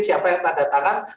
siapa yang tanda tangan